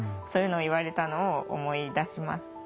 そういうのを言われたのを思い出します。